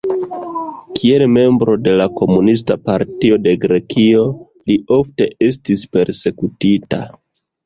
Kiel membro de la Komunista Partio de Grekio li ofte estis persekutita.